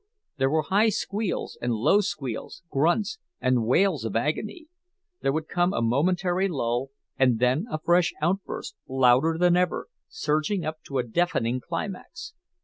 There were high squeals and low squeals, grunts, and wails of agony; there would come a momentary lull, and then a fresh outburst, louder than ever, surging up to a deafening climax.